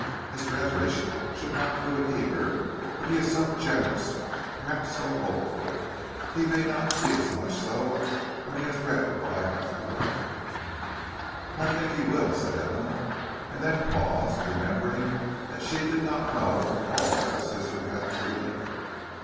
"Mr. Etheridge should not do it either; but he is so generous perhaps so hopeful! He may not be as much so when he has read what I have to write." "I think he will," said Emma, and then paused, remembering that she did not know all that her sister had to relate.